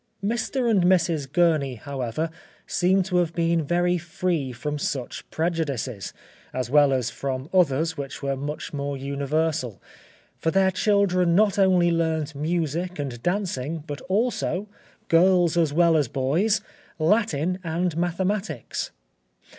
Mr. and Mrs. Gurney, however, seem to have been very free from such prejudices, as well as from others which were much more universal, for their children not only learnt music and dancing, but also—girls as well as boys—Latin and mathematics.